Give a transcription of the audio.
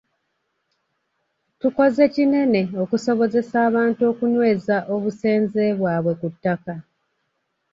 Tukoze kinene okusobozesa abantu okunyweza obusenze bwabwe ku ttaka.